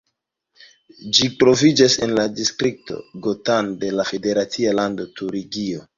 Ĝi troviĝas en la distrikto Gotha de la federacia lando Turingio.